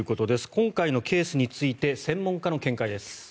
今回のケースについて専門家の見解です。